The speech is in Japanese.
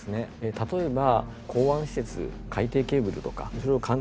例えば。